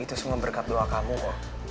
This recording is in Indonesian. itu semua berkat doa kamu kok